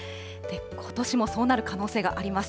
ことしもそうなる可能性があります。